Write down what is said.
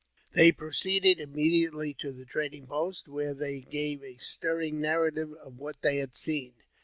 jfl They proceeded immediately to the trading post, where they gave a stirring narrative of what they had seen.